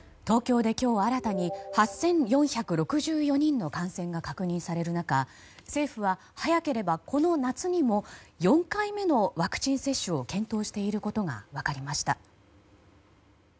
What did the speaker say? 東京で今日新たに８４６４人の感染が確認される中政府は早ければこの夏にも４回目のワクチン接種を検討していることが分かりました。